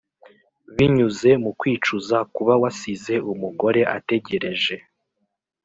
binyuze mu kwicuza kuba wasize umugore ategereje